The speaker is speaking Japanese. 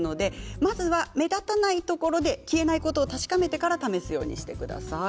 まずは目立たないところから消えないことを確かめてから試すようにしてください。